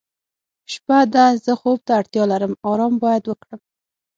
شپه ده زه خوب ته اړتیا لرم آرام باید وکړم.